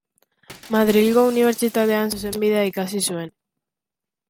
Madrilgo Unibertsitatean zuzenbidea ikasi zuen.